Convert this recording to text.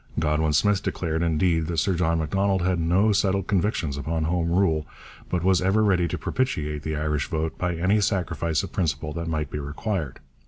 Goldwin Smith declared, indeed, that Sir John Macdonald had no settled convictions upon Home Rule, but was ever ready to propitiate the Irish vote by any sacrifice of principle that might be required.